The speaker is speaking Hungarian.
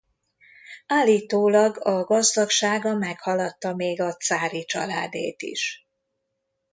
Állítólag a gazdagsága meghaladta még a cári családét is.